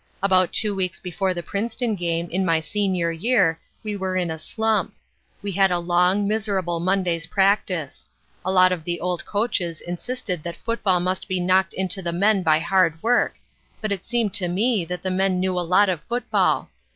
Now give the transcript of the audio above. About two weeks before the Princeton game in my senior year, we were in a slump. We had a long, miserable Monday's practice. A lot of the old coaches insisted that football must be knocked into the men by hard work, but it seemed to me that the men knew a lot of football.